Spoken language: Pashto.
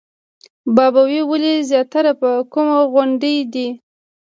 بابای ولي زیارت په کومه غونډۍ دی؟